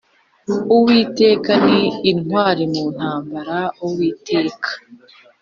Uwiteka ni intwari mu ntambara Uwiteka